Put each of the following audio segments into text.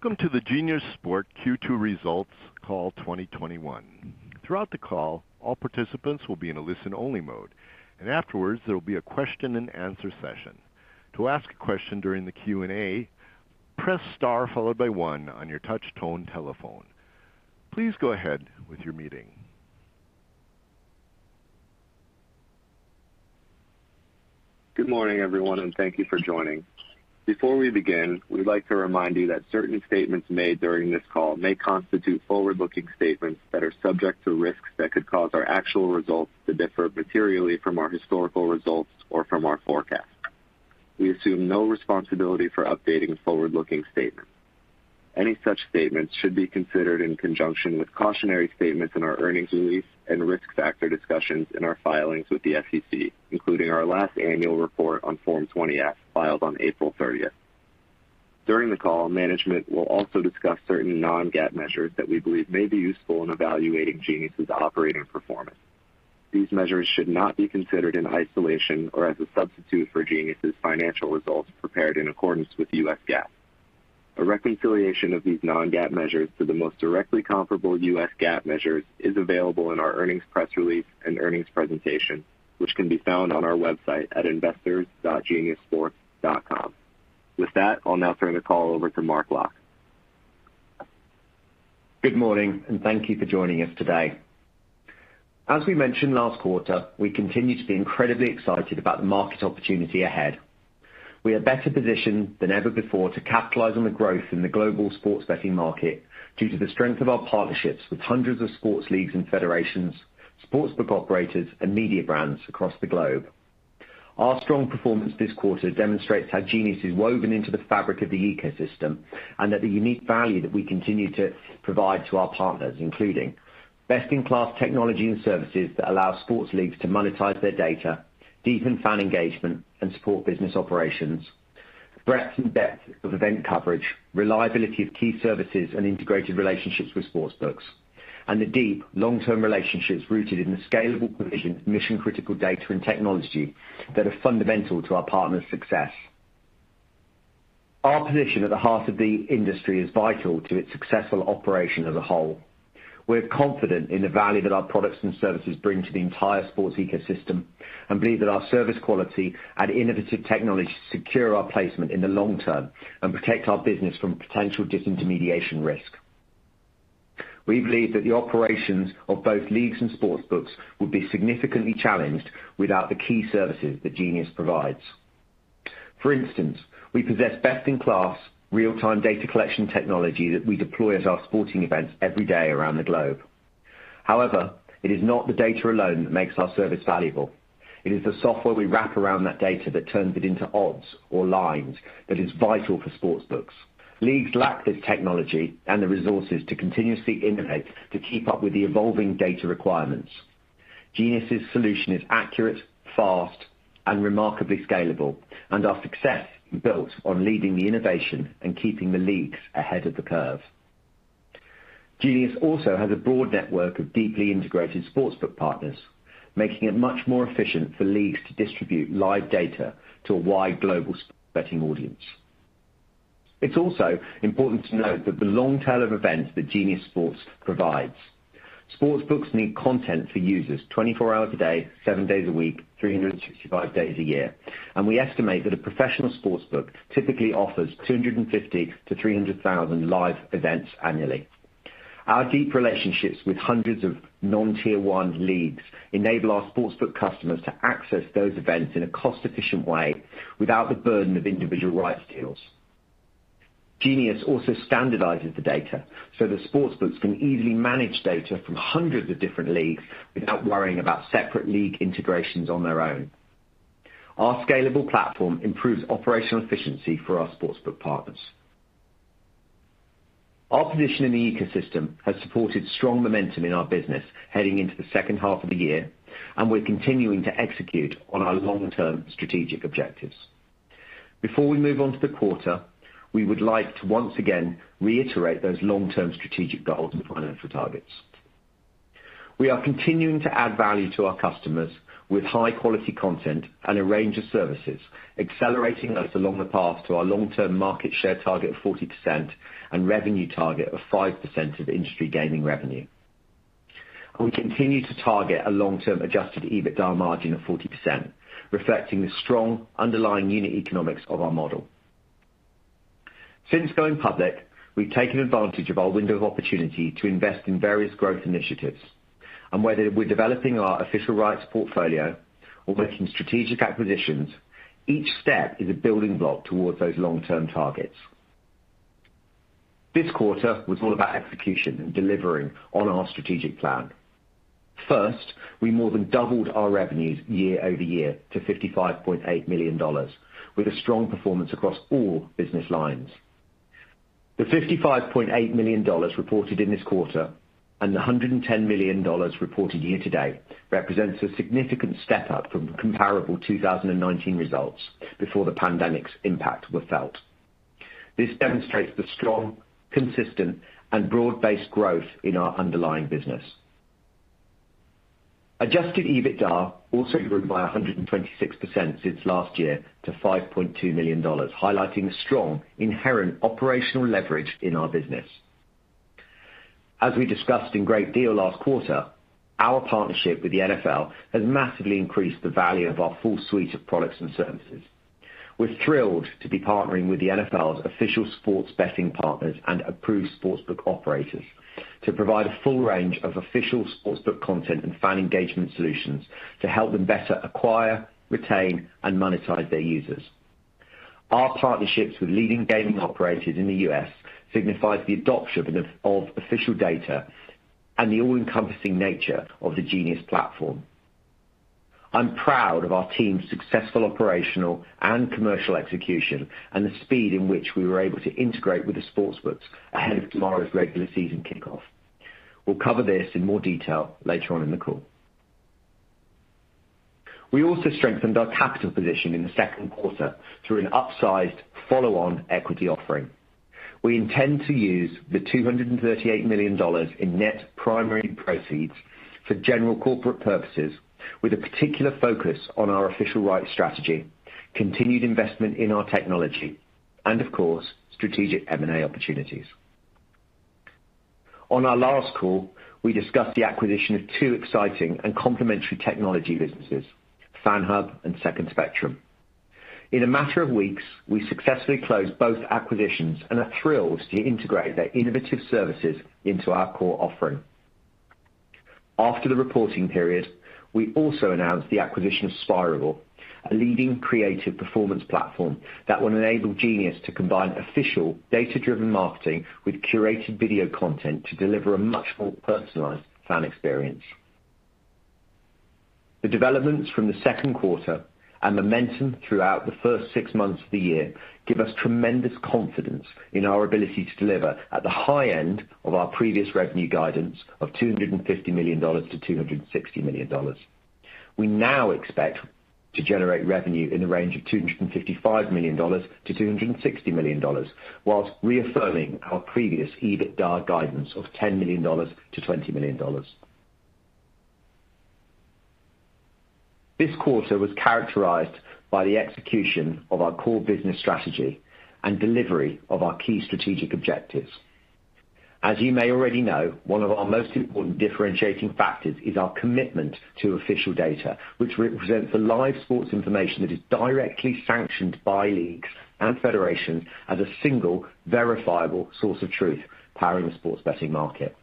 Welcome to the Genius Sports Q2 results call 2021. Throughout the call, all participants will be in a listen-only mode, and afterwards, there will be a question and answer session. To ask a question during the Q&A, press star followed by one on your touch tone telephone. Good morning, everyone, and thank you for joining. Before we begin, we'd like to remind you that certain statements made during this call may constitute forward-looking statements that are subject to risks that could cause our actual results to differ materially from our historical results or from our forecast. We assume no responsibility for updating forward-looking statements. Any such statements should be considered in conjunction with cautionary statements in our earnings release and risk factor discussions in our filings with the SEC, including our last annual report on Form 20-F filed on April 30th. During the call, management will also discuss certain non-GAAP measures that we believe may be useful in evaluating Genius's operating performance. These measures should not be considered in isolation or as a substitute for Genius's financial results prepared in accordance with the US GAAP. A reconciliation of these non-GAAP measures to the most directly comparable US GAAP measures is available in our earnings press release and earnings presentation, which can be found on our website at investors.geniussports.com. With that, I'll now turn the call over to Mark Locke. Good morning, and thank you for joining us today. As we mentioned last quarter, we continue to be incredibly excited about the market opportunity ahead. We are better positioned than ever before to capitalize on the growth in the global sports betting market due to the strength of our partnerships with hundreds of sports leagues and federations, sportsbook operators, and media brands across the globe. Our strong performance this quarter demonstrates how Genius is woven into the fabric of the ecosystem and that the unique value that we continue to provide to our partners, including best-in-class technology and services that allow sports leagues to monetize their data, deepen fan engagement, and support business operations, breadth and depth of event coverage, reliability of key services, and integrated relationships with sportsbooks, and the deep, long-term relationships rooted in the scalable provision of mission-critical data and technology that are fundamental to our partners' success. Our position at the heart of the industry is vital to its successful operation as a whole. We're confident in the value that our products and services bring to the entire sports ecosystem and believe that our service quality and innovative technology secure our placement in the long term and protect our business from potential disintermediation risk. We believe that the operations of both leagues and sportsbooks would be significantly challenged without the key services that Genius provides. For instance, we possess best-in-class real-time data collection technology that we deploy at our sporting events every day around the globe. However, it is not the data alone that makes our service valuable. It is the software we wrap around that data that turns it into odds or lines that is vital for sportsbooks. Leagues lack this technology and the resources to continuously innovate to keep up with the evolving data requirements. Genius's solution is accurate, fast, and remarkably scalable, and our success is built on leading the innovation and keeping the leagues ahead of the curve. Genius also has a broad network of deeply integrated sportsbook partners, making it much more efficient for leagues to distribute live data to a wide global sports betting audience. It's also important to note the long tail of events that Genius Sports provides. Sportsbooks need content for users 24 hours a day, seven days a week, 365 days a year. We estimate that a professional sportsbook typically offers 250,000-300,000 live events annually. Our deep relationships with hundreds of non-tier one leagues enable our sportsbook customers to access those events in a cost-efficient way without the burden of individual rights deals. Genius also standardizes the data so that sportsbooks can easily manage data from hundreds of different leagues without worrying about separate league integrations on their own. Our scalable platform improves operational efficiency for our sportsbook partners. Our position in the ecosystem has supported strong momentum in our business heading into the second half of the year. We're continuing to execute on our long-term strategic objectives. Before we move on to the quarter, we would like to once again reiterate those long-term strategic goals and financial targets. We are continuing to add value to our customers with high-quality content and a range of services, accelerating us along the path to our long-term market share target of 40% and revenue target of 5% of industry gaming revenue. We continue to target a long-term Adjusted EBITDA margin of 40%, reflecting the strong underlying unit economics of our model. Since going public, we've taken advantage of our window of opportunity to invest in various growth initiatives. Whether we're developing our official rights portfolio or making strategic acquisitions, each step is a building block towards those long-term targets. This quarter was all about execution and delivering on our strategic plan. First, we more than doubled our revenues year-over-year to $55.8 million with a strong performance across all business lines. The $55.8 million reported in this quarter and the $110 million reported year-to-date represents a significant step up from comparable 2019 results before the pandemic's impact were felt. This demonstrates the strong, consistent, and broad-based growth in our underlying business. Adjusted EBITDA also grew by 126% since last year to $5.2 million, highlighting the strong inherent operational leverage in our business. As we discussed in great deal last quarter, our partnership with the NFL has massively increased the value of our full suite of products and services. We're thrilled to be partnering with the NFL's official sports betting partners and approved sportsbook operators to provide a full range of official sportsbook content and fan engagement solutions to help them better acquire, retain, and monetize their users. Our partnerships with leading gaming operators in the U.S. signifies the adoption of official data and the all-encompassing nature of the Genius platform. I'm proud of our team's successful operational and commercial execution and the speed in which we were able to integrate with the sportsbooks ahead of tomorrow's regular season kickoff. We'll cover this in more detail later on in the call. We also strengthened our capital position in the second quarter through an upsized follow-on equity offering. We intend to use the $238 million in net primary proceeds for general corporate purposes with a particular focus on our official rights strategy, continued investment in our technology, and of course, strategic M&A opportunities. On our last call, we discussed the acquisition of two exciting and complementary technology businesses, FanHub and Second Spectrum. In a matter of weeks, we successfully closed both acquisitions and are thrilled to integrate their innovative services into our core offering. After the reporting period, we also announced the acquisition of Spirable, a leading creative performance platform that will enable Genius to combine official data-driven marketing with curated video content to deliver a much more personalized fan experience. The developments from the second quarter and momentum throughout the first six months of the year give us tremendous confidence in our ability to deliver at the high end of our previous revenue guidance of $250 million-$260 million. We now expect to generate revenue in the range of $255 million-$260 million, while reaffirming our previous EBITDA guidance of $10 million-$20 million. This quarter was characterized by the execution of our core business strategy and delivery of our key strategic objectives. As you may already know, one of our most important differentiating factors is our commitment to official data, which represents the live sports information that is directly sanctioned by leagues and federations as a single verifiable source of truth powering the sports betting market.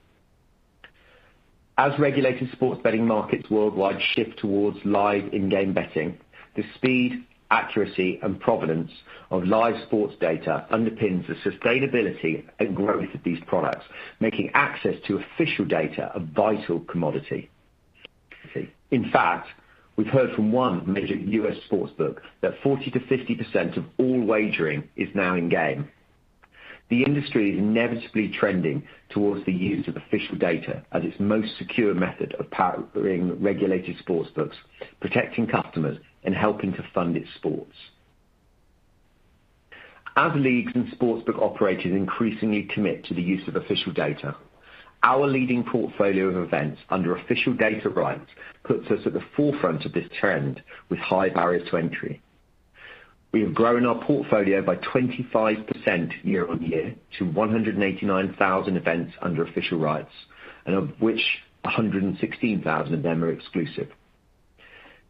As regulated sports betting markets worldwide shift towards live in-game betting, the speed, accuracy, and provenance of live sports data underpins the sustainability and growth of these products, making access to official data a vital commodity. In fact, we've heard from one major U.S. sportsbook that 40%-50% of all wagering is now in-game. The industry is inevitably trending towards the use of official data as its most secure method of powering regulated sportsbooks, protecting customers, and helping to fund its sports. As leagues and sportsbook operators increasingly commit to the use of official data, our leading portfolio of events under official data rights puts us at the forefront of this trend with high barriers to entry. We have grown our portfolio by 25% year-on-year to 189,000 events under official rights, and of which 116,000 of them are exclusive.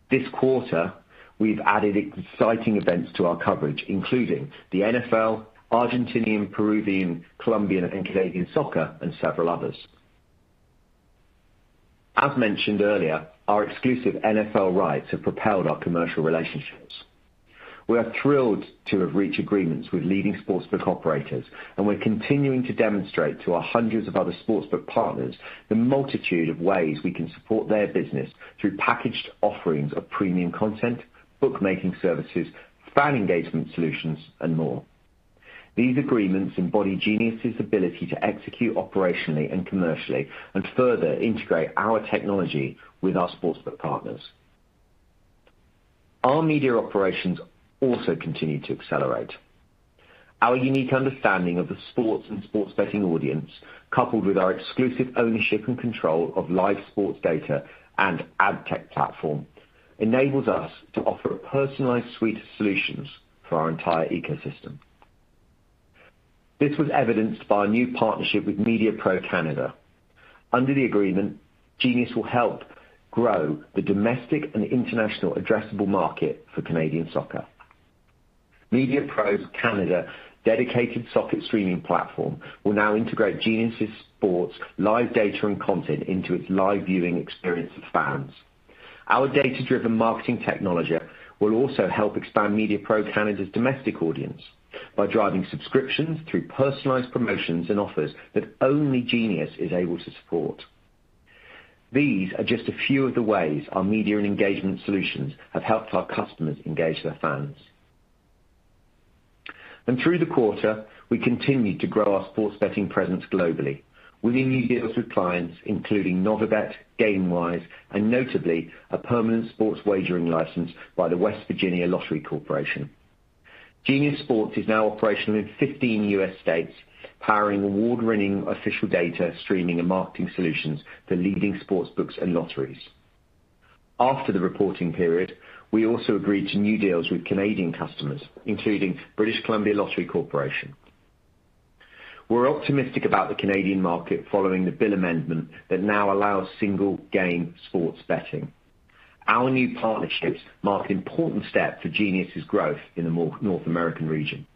This quarter, we've added exciting events to our coverage, including the NFL, Argentinian, Peruvian, Colombian, and Canadian soccer, and several others. As mentioned earlier, our exclusive NFL rights have propelled our commercial relationships. We are thrilled to have reached agreements with leading sportsbook operators, and we're continuing to demonstrate to our hundreds of other sportsbook partners the multitude of ways we can support their business through packaged offerings of premium content, bookmaking services, fan engagement solutions, and more. These agreements embody Genius's ability to execute operationally and commercially and further integrate our technology with our sportsbook partners. Our media operations also continue to accelerate. Our unique understanding of the sports and sports betting audience, coupled with our exclusive ownership and control of live sports data and ad tech platform, enables us to offer a personalized suite of solutions for our entire ecosystem. This was evidenced by a new partnership with Mediapro Canada. Under the agreement, Genius will help grow the domestic and international addressable market for Canadian soccer. Mediapro Canada dedicated soccer streaming platform will now integrate Genius' sports live data and content into its live viewing experience of fans. Our data-driven marketing technology will also help expand Mediapro Canada's domestic audience by driving subscriptions through personalized promotions and offers that only Genius is able to support. These are just a few of the ways our media and engagement solutions have helped our customers engage their fans. Through the quarter, we continued to grow our sports betting presence globally with new deals with clients including Novibet, Gamewise, and notably, a permanent sports wagering license by the West Virginia Lottery Commission. Genius Sports is now operational in 15 U.S. states, powering award-winning official data streaming and marketing solutions for leading sports books and lotteries. After the reporting period, we also agreed to new deals with Canadian customers, including British Columbia Lottery Corporation. We're optimistic about the Canadian market following the bill amendment that now allows single-game sports betting. Our new partnerships mark an important step for Genius' growth in the North American region.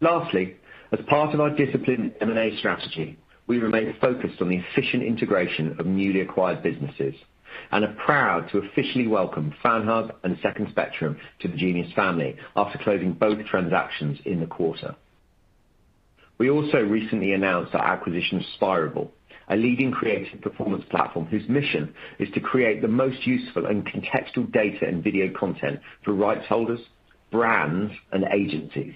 Lastly, as part of our disciplined M&A strategy, we remain focused on the efficient integration of newly acquired businesses and are proud to officially welcome FanHub and Second Spectrum to the Genius family after closing both transactions in the quarter. We also recently announced our acquisition of Spirable, a leading creative performance platform whose mission is to create the most useful and contextual data and video content for rights holders, brands, and agencies.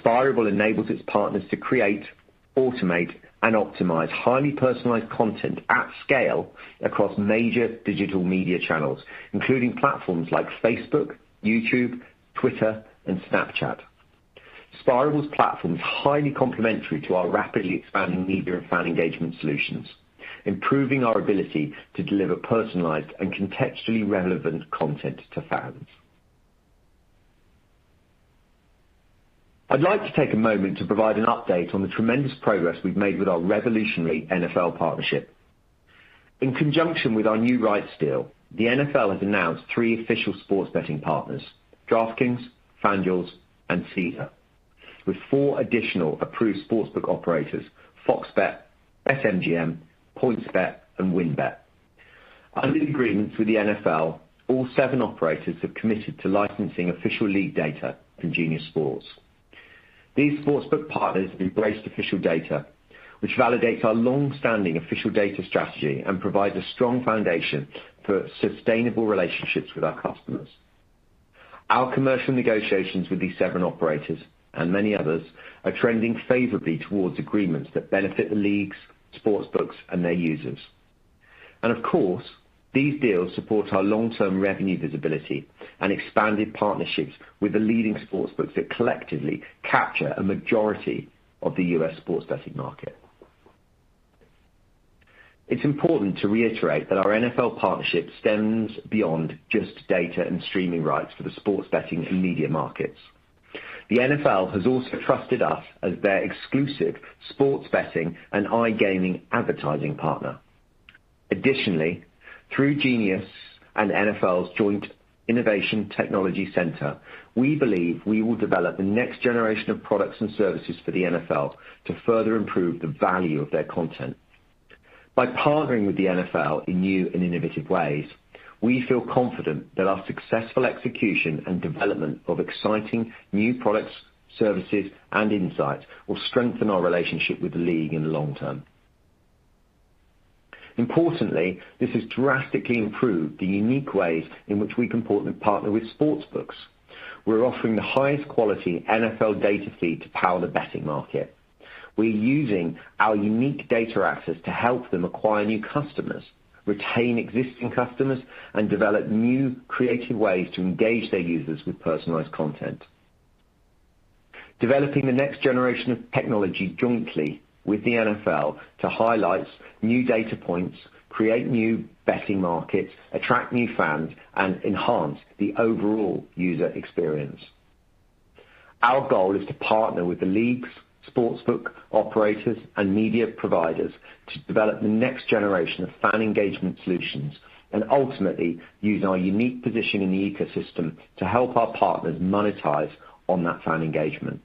Spirable enables its partners to create, automate, and optimize highly personalized content at scale across major digital media channels, including platforms like Facebook, YouTube, Twitter, and Snapchat. Spirable's platform is highly complementary to our rapidly expanding media and fan engagement solutions, improving our ability to deliver personalized and contextually relevant content to fans. I'd like to take a moment to provide an update on the tremendous progress we've made with our revolutionary NFL partnership. In conjunction with our new rights deal, the NFL has announced three official sports betting partners, DraftKings, FanDuel, and Caesars, with four additional approved sportsbook operators, FOX Bet, BetMGM, PointsBet, and WynnBET. Under the agreements with the NFL, all seven operators have committed to licensing official league data from Genius Sports. These sportsbook partners have embraced official data, which validates our long-standing official data strategy and provides a strong foundation for sustainable relationships with our customers. Our commercial negotiations with these seven operators, and many others, are trending favorably towards agreements that benefit the leagues, sports books, and their users. Of course, these deals support our long-term revenue visibility and expanded partnerships with the leading sports books that collectively capture a majority of the US sports betting market. It's important to reiterate that our NFL partnership stems beyond just data and streaming rights for the sports betting and media markets. The NFL has also trusted us as their exclusive sports betting and iGaming advertising partner. Additionally, through Genius and NFL's joint Innovation Technology Center, we believe we will develop the next generation of products and services for the NFL to further improve the value of their content. By partnering with the NFL in new and innovative ways, we feel confident that our successful execution and development of exciting new products, services, and insights will strengthen our relationship with the league in the long term. Importantly, this has drastically improved the unique ways in which we can partner with sports books. We're offering the highest quality NFL data feed to power the betting market. We're using our unique data access to help them acquire new customers, retain existing customers, and develop new creative ways to engage their users with personalized content. Developing the next generation of technology jointly with the NFL to highlight new data points, create new betting markets, attract new fans, and enhance the overall user experience. Our goal is to partner with the leagues, sportsbook operators, and media providers to develop the next generation of fan engagement solutions and ultimately use our unique position in the ecosystem to help our partners monetize on that fan engagement.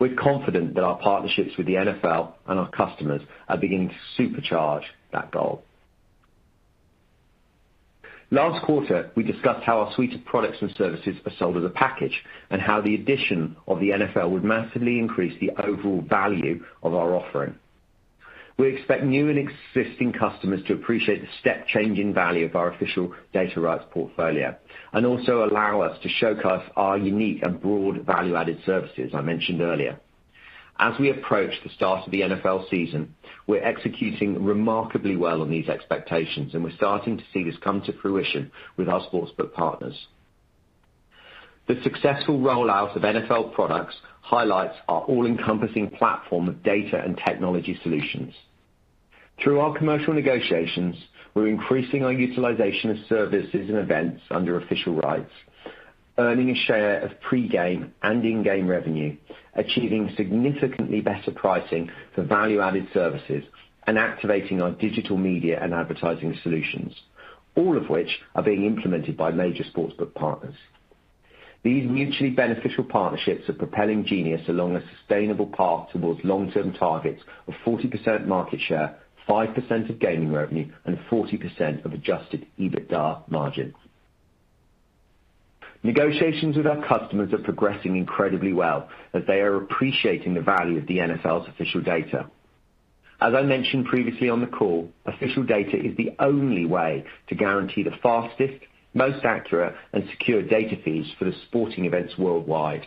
We're confident that our partnerships with the NFL and our customers are beginning to supercharge that goal. Last quarter, we discussed how our suite of products and services are sold as a package and how the addition of the NFL would massively increase the overall value of our offering. We expect new and existing customers to appreciate the step change in value of our official data rights portfolio and also allow us to showcase our unique and broad value-added services I mentioned earlier. As we approach the start of the NFL season, we're executing remarkably well on these expectations, and we're starting to see this come to fruition with our sportsbook partners. The successful rollout of NFL products highlights our all-encompassing platform of data and technology solutions. Through our commercial negotiations, we're increasing our utilization of services and events under official rights, earning a share of pre-game and in-game revenue, achieving significantly better pricing for value-added services, and activating our digital media and advertising solutions, all of which are being implemented by major sportsbook partners. These mutually beneficial partnerships are propelling Genius along a sustainable path towards long-term targets of 40% market share, 5% of gaming revenue, and 40% of Adjusted EBITDA margins. Negotiations with our customers are progressing incredibly well as they are appreciating the value of the NFL's official data. As I mentioned previously on the call, official data is the only way to guarantee the fastest, most accurate, and secure data feeds for the sporting events worldwide.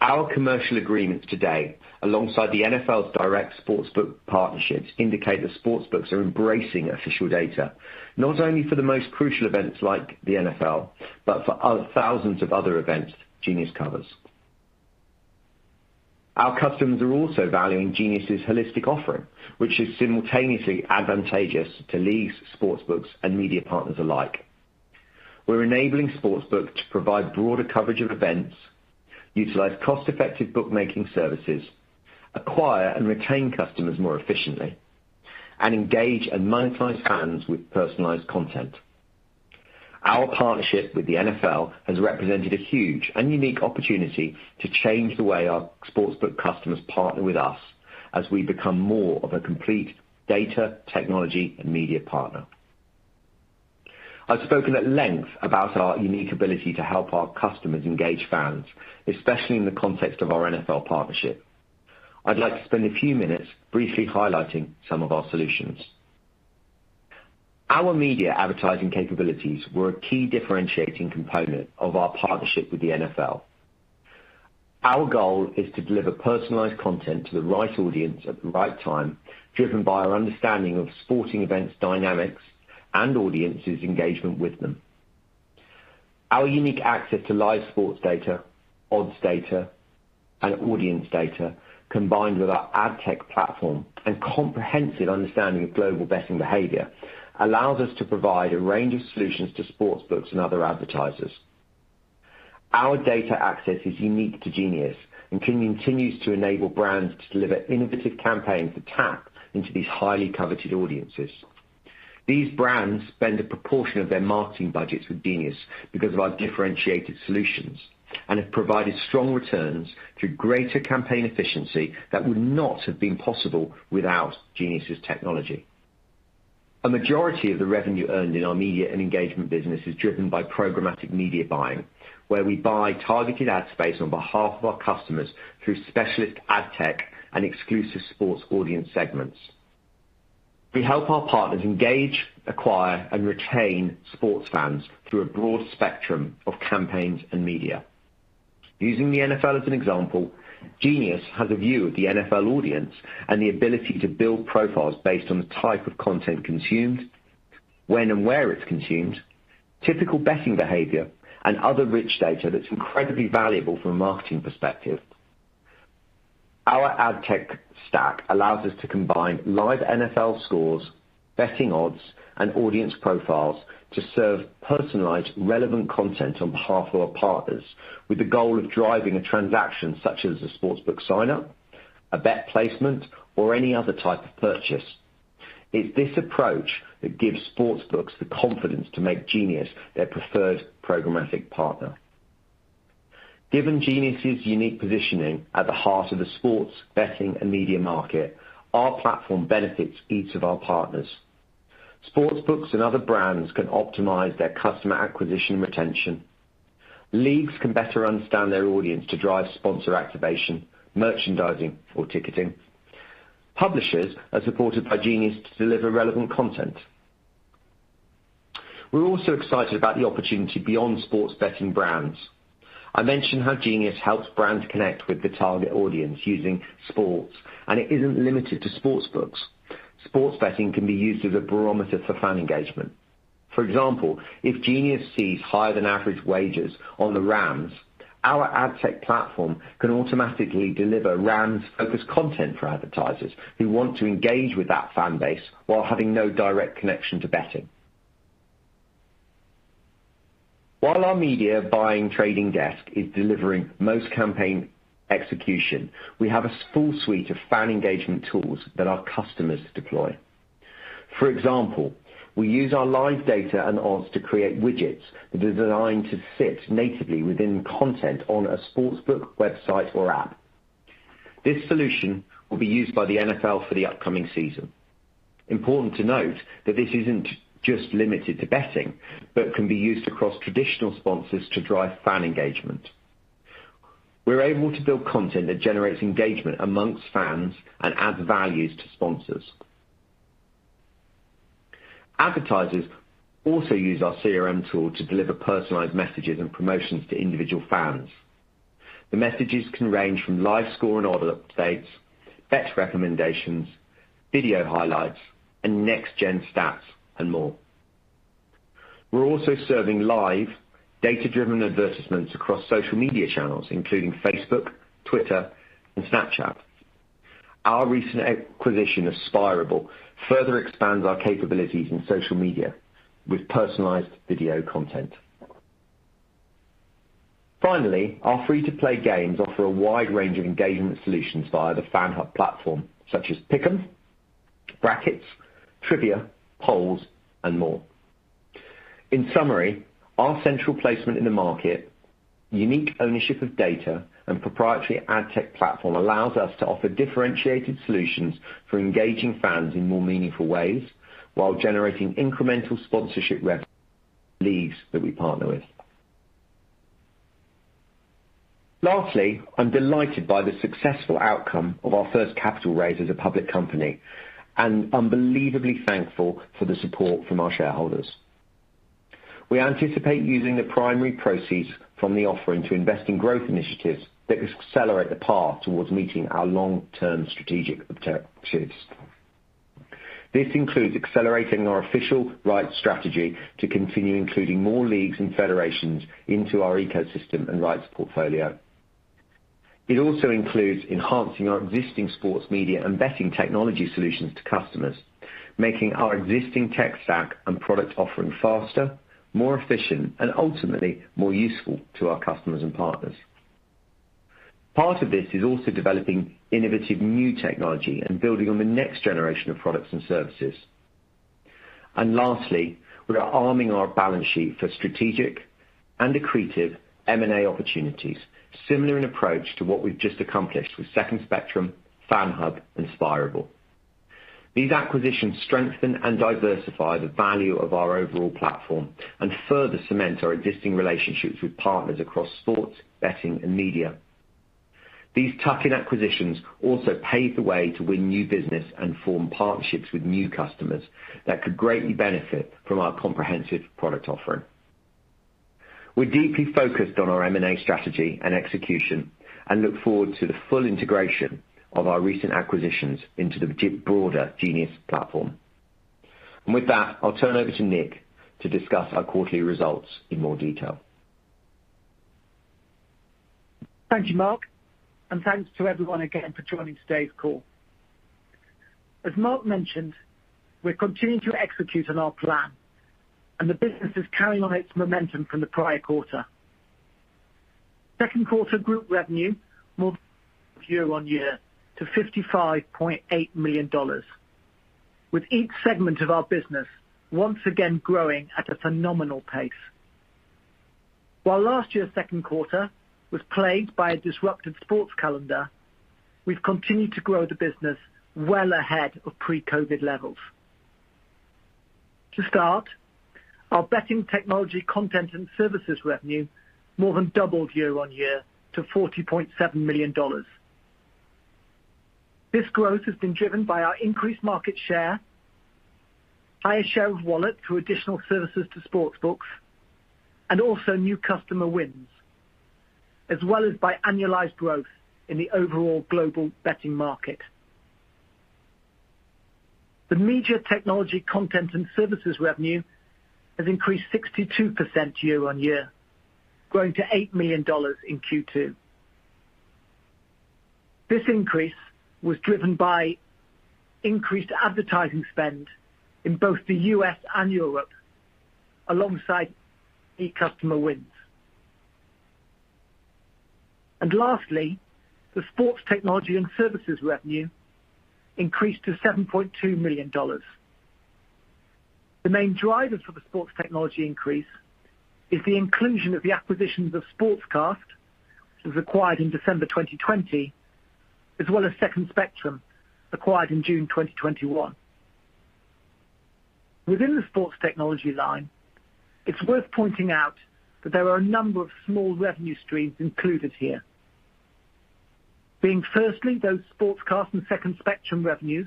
Our commercial agreements today, alongside the NFL's direct sportsbook partnerships, indicate that sportsbooks are embracing official data, not only for the most crucial events like the NFL, but for thousands of other events Genius covers. Our customers are also valuing Genius' holistic offering, which is simultaneously advantageous to leagues, sportsbooks, and media partners alike. We're enabling sportsbooks to provide broader coverage of events, utilize cost-effective bookmaking services, acquire and retain customers more efficiently, and engage and monetize fans with personalized content. Our partnership with the NFL has represented a huge and unique opportunity to change the way our sportsbook customers partner with us as we become more of a complete data, technology, and media partner. I've spoken at length about our unique ability to help our customers engage fans, especially in the context of our NFL partnership. I'd like to spend a few minutes briefly highlighting some of our solutions. Our media advertising capabilities were a key differentiating component of our partnership with the NFL. Our goal is to deliver personalized content to the right audience at the right time, driven by our understanding of sporting events dynamics and audiences' engagement with them. Our unique access to live sports data, odds data, and audience data, combined with our ad tech platform and comprehensive understanding of global betting behavior, allows us to provide a range of solutions to sportsbooks and other advertisers. Our data access is unique to Genius and continues to enable brands to deliver innovative campaigns that tap into these highly coveted audiences. These brands spend a proportion of their marketing budgets with Genius because of our differentiated solutions and have provided strong returns through greater campaign efficiency that would not have been possible without Genius' technology. A majority of the revenue earned in our media and engagement business is driven by programmatic media buying, where we buy targeted ad space on behalf of our customers through specialist ad tech and exclusive sports audience segments. We help our partners engage, acquire, and retain sports fans through a broad spectrum of campaigns and media. Using the NFL as an example, Genius has a view of the NFL audience and the ability to build profiles based on the type of content consumed, when and where it's consumed, typical betting behavior, and other rich data that's incredibly valuable from a marketing perspective. Our ad tech stack allows us to combine live NFL scores, betting odds, and audience profiles to serve personalized, relevant content on behalf of our partners with the goal of driving a transaction such as a sportsbook sign-up, a bet placement, or any other type of purchase. It's this approach that gives sportsbooks the confidence to make Genius their preferred programmatic partner. Given Genius' unique positioning at the heart of the sports betting and media market, our platform benefits each of our partners. Sportsbooks and other brands can optimize their customer acquisition retention. Leagues can better understand their audience to drive sponsor activation, merchandising, or ticketing. Publishers are supported by Genius to deliver relevant content. We're also excited about the opportunity beyond sports betting brands. I mentioned how Genius helps brands connect with the target audience using sports, and it isn't limited to sportsbooks. Sports betting can be used as a barometer for fan engagement. For example, if Genius sees higher than average wagers on the Rams, our ad tech platform can automatically deliver Rams-focused content for advertisers who want to engage with that fan base while having no direct connection to betting. While our media buying trading desk is delivering most campaign execution, we have a full suite of fan engagement tools that our customers deploy. For example, we use our live data and odds to create widgets that are designed to sit natively within content on a sportsbook website or app. This solution will be used by the NFL for the upcoming season. Important to note that this isn't just limited to betting, but can be used across traditional sponsors to drive fan engagement. We're able to build content that generates engagement amongst fans and adds values to sponsors. Advertisers also use our CRM tool to deliver personalized messages and promotions to individual fans. The messages can range from live score and order updates, bet recommendations, video highlights, and next-gen stats, and more. We're also serving live data-driven advertisements across social media channels, including Facebook, Twitter, and Snapchat. Our recent acquisition of Spirable further expands our capabilities in social media with personalized video content. Finally, our free-to-play games offer a wide range of engagement solutions via the FanHub platform, such as Pick 'em, brackets, trivia, polls, and more. In summary, our central placement in the market, unique ownership of data, and proprietary ad tech platform allows us to offer differentiated solutions for engaging fans in more meaningful ways while generating incremental sponsorship leagues that we partner with. Lastly, I'm delighted by the successful outcome of our first capital raise as a public company, and unbelievably thankful for the support from our shareholders. We anticipate using the primary proceeds from the offering to invest in growth initiatives that accelerate the path towards meeting our long-term strategic objectives. This includes accelerating our official rights strategy to continue including more leagues and federations into our ecosystem and rights portfolio. It also includes enhancing our existing sports media and betting technology solutions to customers, making our existing tech stack and product offering faster, more efficient, and ultimately, more useful to our customers and partners. Part of this is also developing innovative new technology and building on the next generation of products and services. Lastly, we are arming our balance sheet for strategic and accretive M&A opportunities, similar in approach to what we've just accomplished with Second Spectrum, FanHub, and Spirable. These acquisitions strengthen and diversify the value of our overall platform and further cement our existing relationships with partners across sports, betting, and media. These tuck-in acquisitions also pave the way to win new business and form partnerships with new customers that could greatly benefit from our comprehensive product offering. We're deeply focused on our M&A strategy and execution and look forward to the full integration of our recent acquisitions into the broader Genius platform. With that, I'll turn over to Nick to discuss our quarterly results in more detail. Thank you, Mark, and thanks to everyone again for joining today's call. As Mark mentioned, we're continuing to execute on our plan, and the business is carrying on its momentum from the prior quarter. Second quarter group revenue more year-over-year to $55.8 million, with each segment of our business once again growing at a phenomenal pace. While last year's second quarter was plagued by a disrupted sports calendar, we've continued to grow the business well ahead of pre-COVID levels. To start, our betting technology content and services revenue more than doubled year-over-year to $40.7 million. This growth has been driven by our increased market share, higher share of wallet through additional services to sports books, and also new customer wins, as well as by annualized growth in the overall global betting market. The media technology content and services revenue has increased 62% year-over-year, growing to $8 million in Q2. This increase was driven by increased advertising spend in both the U.S. and Europe alongside the customer wins. Lastly, the sports technology and services revenue increased to $7.2 million. The main driver for the sports technology increase is the inclusion of the acquisitions of Sportzcast, which was acquired in December 2020, as well as Second Spectrum, acquired in June 2021. Within the sports technology line, it's worth pointing out that there are a number of small revenue streams included here. Being firstly, those Sportzcast and Second Spectrum revenues,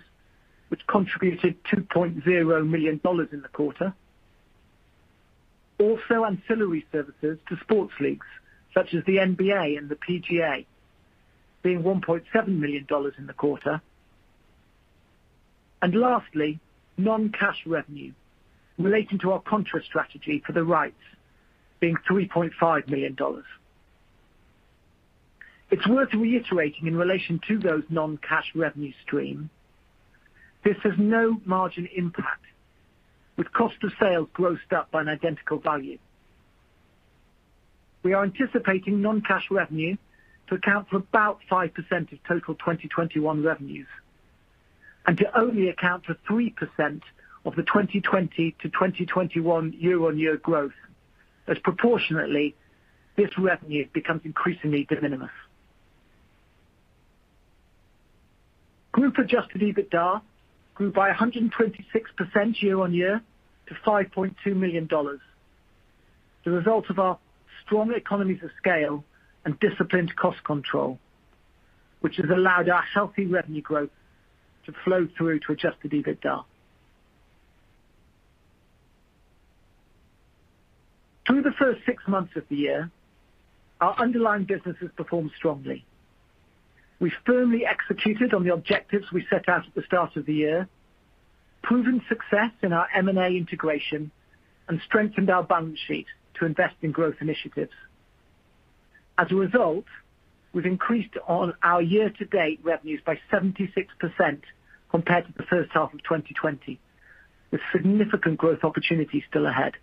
which contributed $2.0 million in the quarter. Ancillary services to sports leagues such as the NBA and the PGA, being $1.7 million in the quarter. Lastly, non-cash revenue relating to our contra strategy for the rights being $3.5 million. It's worth reiterating in relation to those non-cash revenue stream, this has no margin impact with cost of sales grossed up by an identical value. We are anticipating non-cash revenue to account for about 5% of total 2021 revenues and to only account for 3% of the 2020-2021 year-on-year growth, as proportionately this revenue becomes increasingly de minimis. Group Adjusted EBITDA grew by 126% year-on-year to $5.2 million, the result of our strong economies of scale and disciplined cost control, which has allowed our healthy revenue growth to flow through to Adjusted EBITDA. Through the first six months of the year, our underlying businesses performed strongly. We firmly executed on the objectives we set out at the start of the year, proven success in our M&A integration, and strengthened our balance sheet to invest in growth initiatives. As a result, we've increased on our year-to-date revenues by 76% compared to the first half of 2020, with significant growth opportunities still ahead.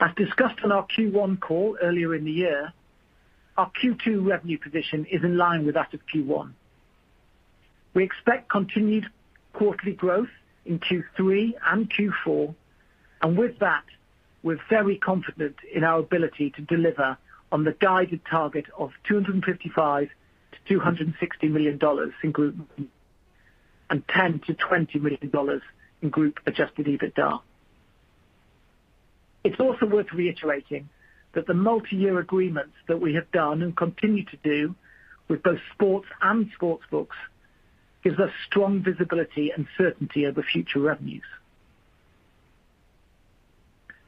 As discussed on our Q1 call earlier in the year, our Q2 revenue position is in line with that of Q1. With that, we're very confident in our ability to deliver on the guided target of $255 million-$260 million in group and $10 million-$20 million in Group Adjusted EBITDA. It's also worth reiterating that the multi-year agreements that we have done and continue to do with both sports and sports books gives us strong visibility and certainty over future revenues.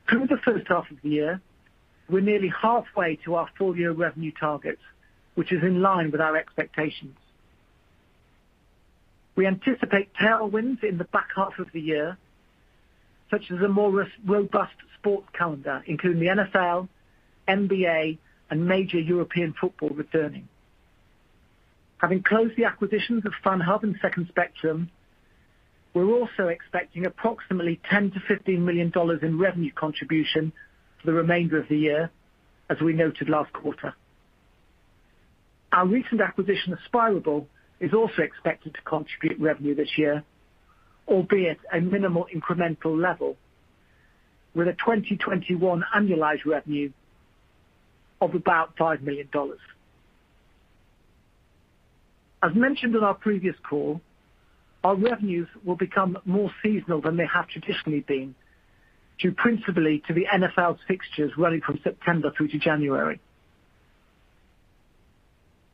Through the first half of the year, we're nearly halfway to our full-year revenue target, which is in line with our expectations. We anticipate tailwinds in the back half of the year, such as a more robust sports calendar, including the NFL, NBA, and major European football returning. Having closed the acquisitions of FanHub and Second Spectrum, we're also expecting approximately $10 million-$15 million in revenue contribution for the remainder of the year, as we noted last quarter. Our recent acquisition, Spirable, is also expected to contribute revenue this year, albeit a minimal incremental level, with a 2021 annualized revenue of about $5 million. As mentioned on our previous call, our revenues will become more seasonal than they have traditionally been, due principally to the NFL's fixtures running from September through to January.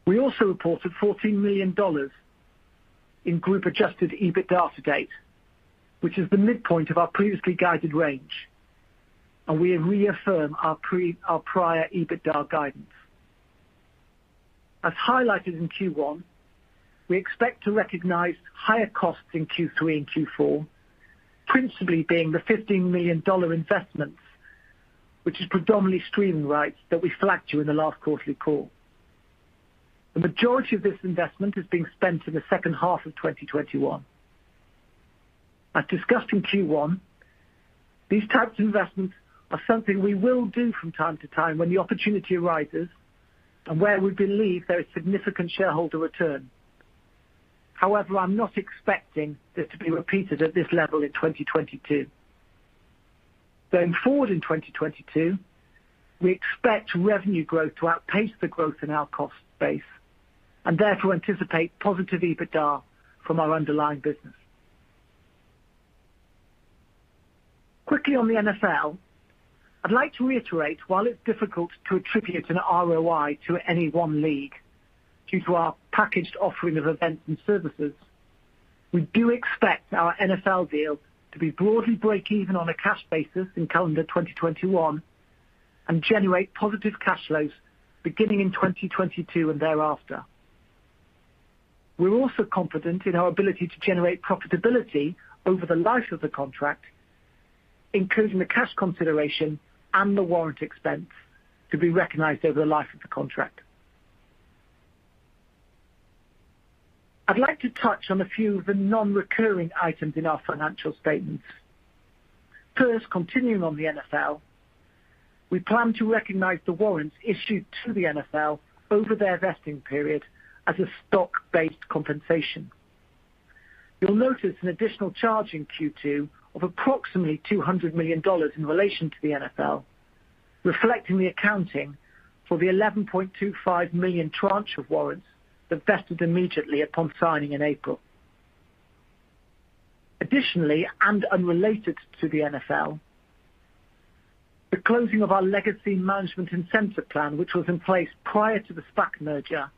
We also reported $14 million in Group-Adjusted EBITDA to date, which is the midpoint of our previously guided range. We reaffirm our prior EBITDA guidance. As highlighted in Q1, we expect to recognize higher costs in Q3 and Q4, principally being the $15 million investments, which is predominantly streaming rights that we flagged you in the last quarterly call. The majority of this investment is being spent in the second half of 2021. As discussed in Q1, these types of investments are something we will do from time to time when the opportunity arises, and where we believe there is significant shareholder return. However, I'm not expecting this to be repeated at this level in 2022. Going forward in 2022, we expect revenue growth to outpace the growth in our cost base, and therefore anticipate positive EBITDA from our underlying business. Quickly on the NFL, I'd like to reiterate, while it's difficult to attribute an ROI to any one league due to our packaged offering of events and services, we do expect our NFL deal to be broadly breakeven on a cash basis in calendar 2021 and generate positive cash flows beginning in 2022 and thereafter. We're also confident in our ability to generate profitability over the life of the contract, including the cash consideration and the warrant expense to be recognized over the life of the contract. I'd like to touch on a few of the non-recurring items in our financial statements. First, continuing on the NFL, we plan to recognize the warrants issued to the NFL over their vesting period as a stock-based compensation. You'll notice an additional charge in Q2 of approximately $200 million in relation to the NFL, reflecting the accounting for the 11.25 million tranche of warrants that vested immediately upon signing in April. Additionally, and unrelated to the NFL, the closing of our legacy management incentive plan, which was in place prior to the SPAC merger,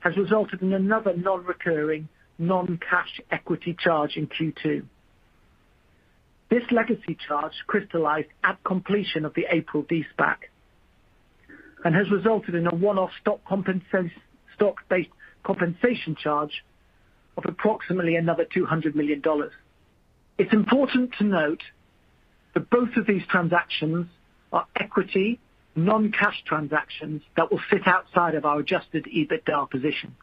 has resulted in another non-recurring, non-cash equity charge in Q2. This legacy charge crystallized at completion of the April de-SPAC, and has resulted in a one-off stock-based compensation charge of approximately another $200 million. It's important to note that both of these transactions are equity non-cash transactions that will sit outside of our Adjusted EBITDA position.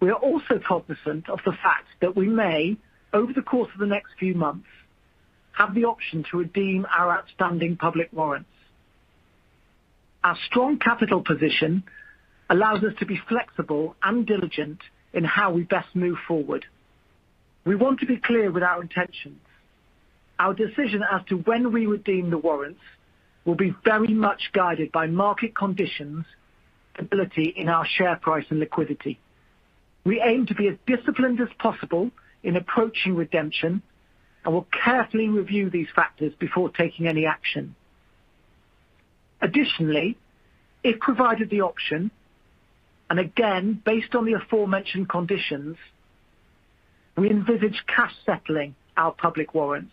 We are also cognizant of the fact that we may, over the course of the next few months, have the option to redeem our outstanding public warrants. Our strong capital position allows us to be flexible and diligent in how we best move forward. We want to be clear with our intentions. Our decision as to when we redeem the warrants will be very much guided by market conditions, stability in our share price, and liquidity. We aim to be as disciplined as possible in approaching redemption and will carefully review these factors before taking any action. Additionally, if provided the option, and again, based on the aforementioned conditions, we envisage cash settling our public warrants,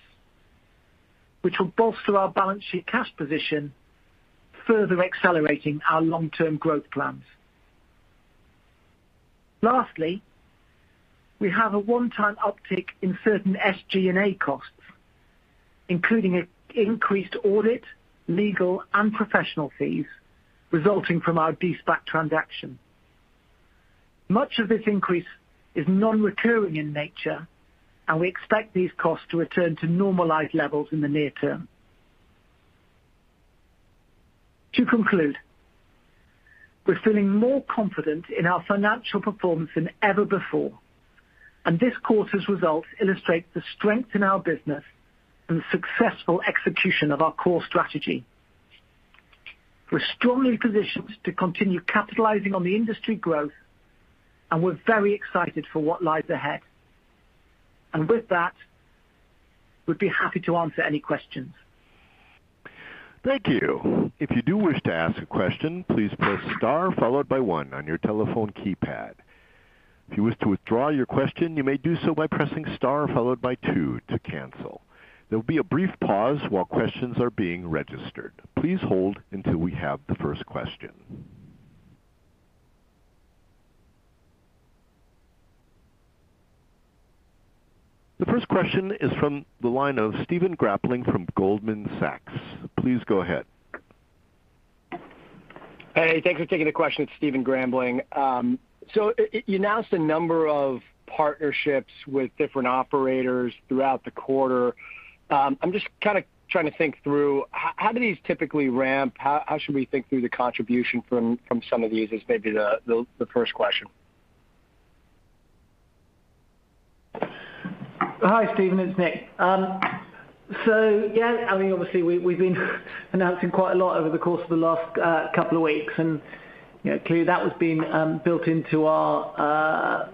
which will bolster our balance sheet cash position, further accelerating our long-term growth plans. Lastly, we have a one-time uptick in certain SG&A costs, including increased audit, legal, and professional fees resulting from our de-SPAC transaction. Much of this increase is non-recurring in nature, and we expect these costs to return to normalized levels in the near term. To conclude, we're feeling more confident in our financial performance than ever before, and this quarter's results illustrate the strength in our business and the successful execution of our core strategy. We're strongly positioned to continue capitalizing on the industry growth, and we're very excited for what lies ahead. With that, we'd be happy to answer any questions. Thank you. If you do wish to ask a question, please press star followed by one on your telephone keypad. If you wish to withdraw your question, you may do so by pressing star followed by two to cancel. There will be a brief pause while questions are being registered. Please hold until we have the first question. The first question is from the line of Stephen Grambling from Goldman Sachs. Please go ahead. Hey, thanks for taking the question. It's Stephen Grambling. You announced a number of partnerships with different operators throughout the quarter. I'm just kind of trying to think through how do these typically ramp? How should we think through the contribution from some of these is maybe the first question. Hi, Stephen, it's Nick. Yeah, I mean, obviously, we've been announcing quite a lot over the course of the last couple of weeks and clearly that was being built into our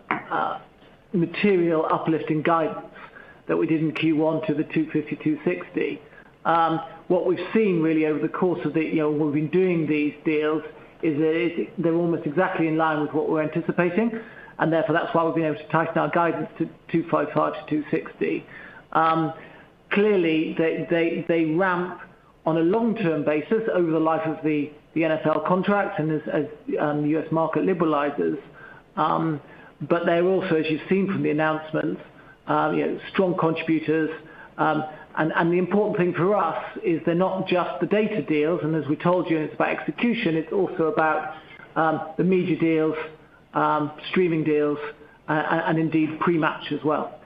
material uplifting guidance that we did in Q1 to the $250 million-$260 million. What we've seen really over the course of the deals we've been doing is that they're almost exactly in line with what we're anticipating, and therefore, that's why we've been able to tighten our guidance to $255 million-$260 million. Clearly, they ramp on a long-term basis over the life of the NFL contract and as the US market liberalizes. They're also, as you've seen from the announcements, strong contributors. The important thing for us is they're not just the data deals, and as we told you, and it's about execution, it's also about the media deals, streaming deals, and indeed pre-match as well.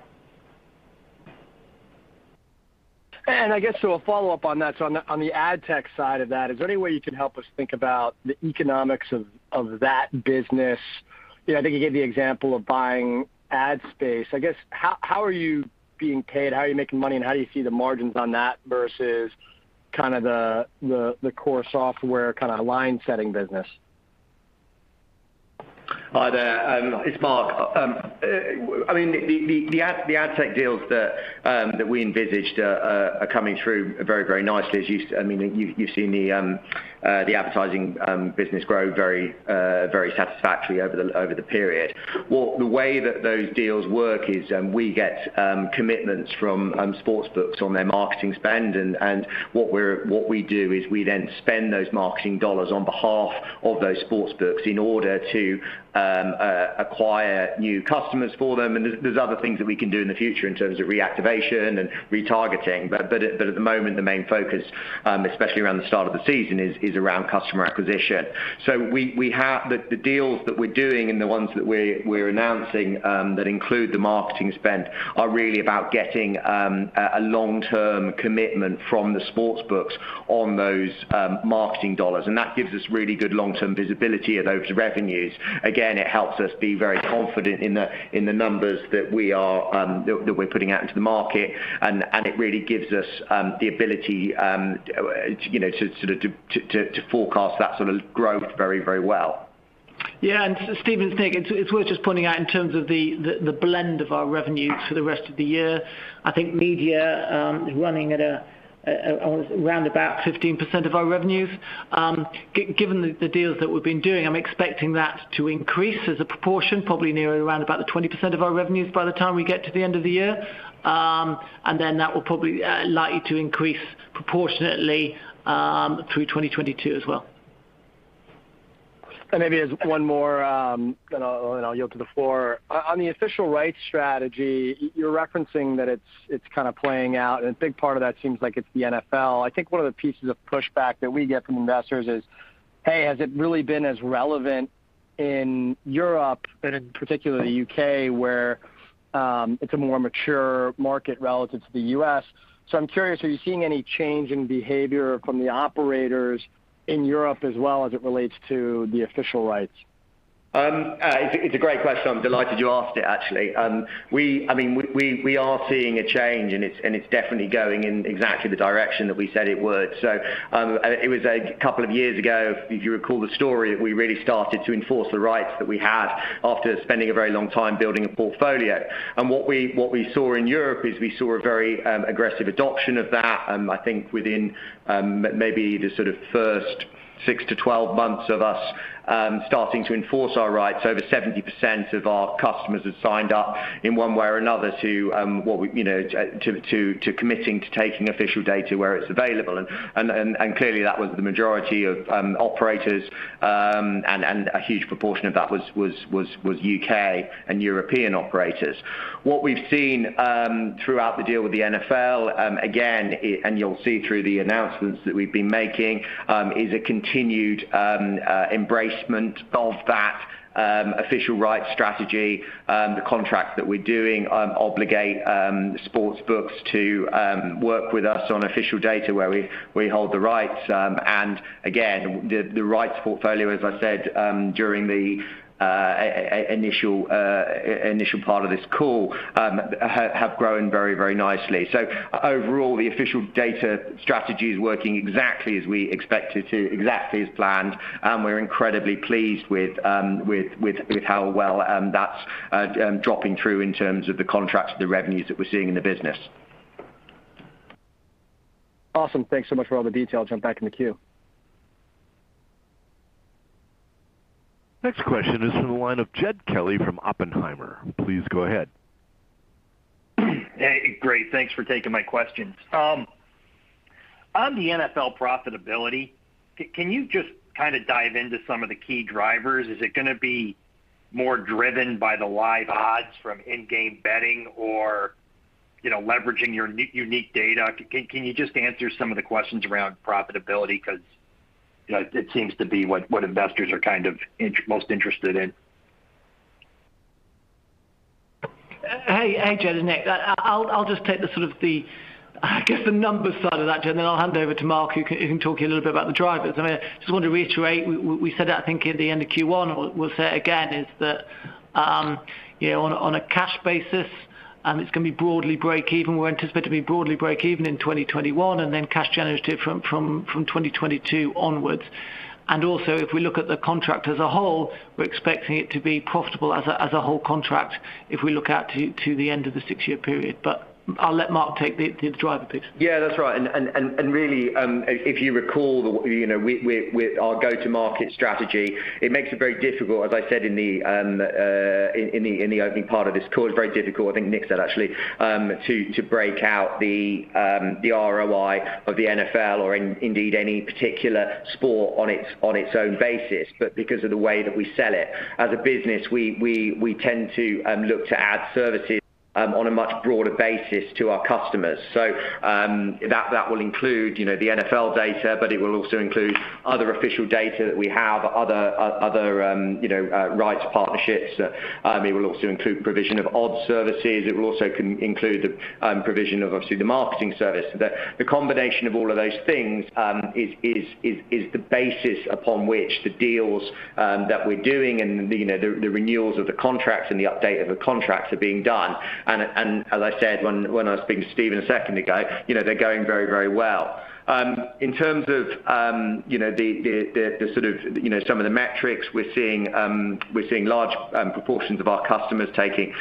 I guess a follow-up on that. On the ad tech side of that, is there any way you can help us think about the economics of that business? I think you gave the example of buying ad space. I guess, how are you being paid? How are you making money, and how do you see the margins on that versus kind of the core software kind of line setting business? Hi there, it's Mark. I mean, the ad tech deals that we envisaged are coming through very, very nicely. I mean, you've seen the advertising business grow very satisfactory over the period. Well, the way that those deals work is we get commitments from sportsbooks on their marketing spend, and what we do is we then spend those marketing dollars on behalf of those sportsbooks in order to acquire new customers for them and there's other things that we can do in the future in terms of reactivation and retargeting. At the moment, the main focus, especially around the start of the season, is around customer acquisition. We have the deals that we're doing and the ones that we're announcing, that include the marketing spend are really about getting a long-term commitment from the sportsbooks on those marketing dollars. That gives us really good long-term visibility of those revenues. Again, it helps us be very confident in the numbers that we're putting out into the market. It really gives us the ability to sort of forecast that sort of growth very, very well. Yeah, Stephen, it's Nick. It's worth just pointing out in terms of the blend of our revenues for the rest of the year. I think media is running at around about 15% of our revenues. Given the deals that we've been doing, I'm expecting that to increase as a proportion, probably nearer around about the 20% of our revenues by the time we get to the end of the year. That will probably likely to increase proportionately through 2022 as well. Maybe there's one more and I'll yield to the floor. On the official rights strategy, you're referencing that it's kind of playing out, and a big part of that seems like it's the NFL. I think one of the pieces of pushback that we get from investors is, hey, has it really been as relevant in Europe and in particular the U.K., where it's a more mature market relative to the U.S.? I'm curious, are you seeing any change in behavior from the operators in Europe as well as it relates to the official rights? It's a great question. I'm delighted you asked it, actually. We are seeing a change and it's definitely going in exactly the direction that we said it would. It was two years ago, if you recall the story, that we really started to enforce the rights that we had after spending a very long time building a portfolio. What we saw in Europe is we saw a very aggressive adoption of that. I think within maybe the sort of first 6-12 months of us starting to enforce our rights, over 70% of our customers had signed up in one way or another to committing to taking official data where it's available. Clearly that was the majority of operators, and a huge proportion of that was U.K. and European operators. What we've seen throughout the deal with the NFL, again, you'll see through the announcements that we've been making, is a continued embracement of that official rights strategy. The contracts that we're doing obligate sportsbooks to work with us on official data where we hold the rights. Again, the rights portfolio, as I said during the initial part of this call have grown very, very nicely. Overall, the official data strategy is working exactly as we expected it to, exactly as planned, and we're incredibly pleased with how well that's dropping through in terms of the contracts, the revenues that we're seeing in the business. Awesome. Thanks so much for all the detail. Jump back in the queue. Next question is to the line of Jed Kelly from Oppenheimer. Please go ahead. Great. Thanks for taking my questions. On the NFL profitability, can you just dive into some of the key drivers? Is it going to be more driven by the live odds from in-game betting or leveraging your unique data? Can you just answer some of the questions around profitability? Because it seems to be what investors are most interested in. Hey, Jed. Nick. I'll just take the, I guess, the numbers side of that, Jed, and then I'll hand over to Mark, who can talk to you a little bit about the drivers. I just want to reiterate, we said that, I think at the end of Q1, we'll say it again, is that on a cash basis, it's going to be broadly breakeven. We're anticipating it to be broadly breakeven in 2021, and then cash generative from 2022 onwards. Also, if we look at the contract as a whole, we're expecting it to be profitable as a whole contract if we look out to the end of the 6-year period. I'll let Mark take the driver piece. Yeah, that's right. Really, if you recall our go-to-market strategy, it makes it very difficult, as I said in the opening part of this call, it's very difficult, I think Nick said actually, to break out the ROI of the NFL or indeed any particular sport on its own basis, but because of the way that we sell it. As a business, we tend to look to add services on a much broader basis to our customers. That will include the NFL data, but it will also include other official data that we have, other rights partnerships. It will also include provision of odds services. It will also include the provision of, obviously, the marketing service. The combination of all of those things is the basis upon which the deals that we're doing and the renewals of the contracts and the update of the contracts are being done. As I said when I was speaking to Stephen a second ago, they're going very well. In terms of some of the metrics, we're seeing large proportions of our customers taking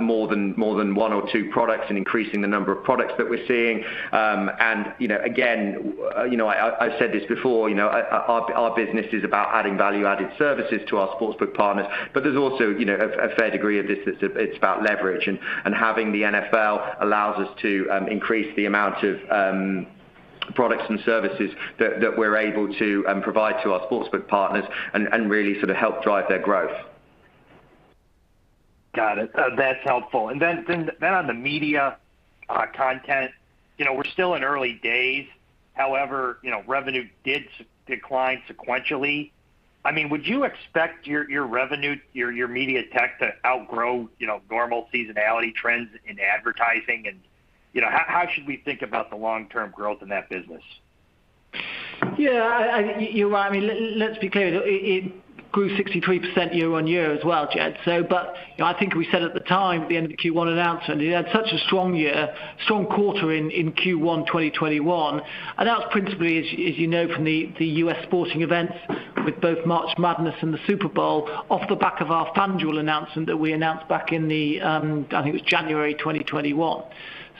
more than one or two products and increasing the number of products that we're seeing. Again, I said this before, our business is about adding value-added services to our sportsbook partners. There's also a fair degree of this that it's about leverage. Having the NFL allows us to increase the amount of products and services that we're able to provide to our sportsbook partners and really help drive their growth. Got it. That's helpful. Then on the media content, we're still in early days. However, revenue did decline sequentially. Would you expect your revenue, your media tech to outgrow normal seasonality trends in advertising? How should we think about the long-term growth in that business? Yeah, you're right. Let's be clear. It grew 63% year-over-year as well, Jed. I think we said at the time, at the end of the Q1 announcement, it had such a strong quarter in Q1 2021. That was principally, as you know from the US sporting events with both March Madness and the Super Bowl, off the back of our FanDuel announcement that we announced back in the, I think it was January 2021.